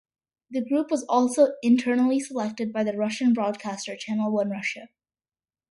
The group was also internally selected by the Russian broadcaster Channel One Russia.